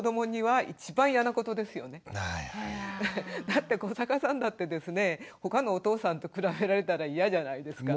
だって古坂さんだってですねほかのお父さんと比べられたらいやじゃないですか？